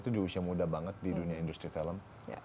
itu di usia muda banget di dunia industri film